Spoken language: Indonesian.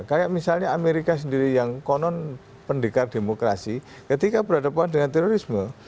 kayak misalnya amerika sendiri yang konon pendekar demokrasi ketika berhadapan dengan terorisme